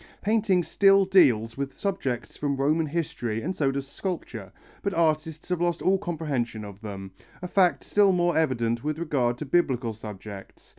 Painting still deals with subjects from Roman history and so does sculpture, but artists have lost all comprehension of them, a fact still more evident with regard to Biblical subjects.